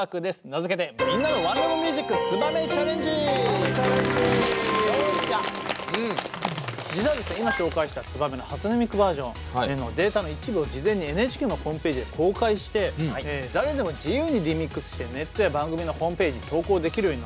名付けて「ツバメチャレンジ」！実はですね今紹介した「ツバメ」の初音ミクバージョンのデータの一部を事前にＮＨＫのホームページで公開して誰でも自由にリミックスしてネットや番組のホームページに投稿できるようになってたんですよね。